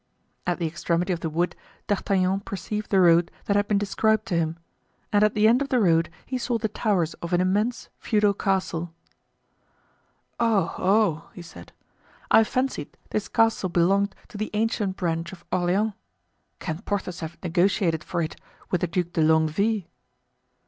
At the extremity of the wood D'Artagnan perceived the road that had been described to him, and at the end of the road he saw the towers of an immense feudal castle. "Oh! oh!" he said, "I fancied this castle belonged to the ancient branch of Orleans. Can Porthos have negotiated for it with the Duc de Longueville?"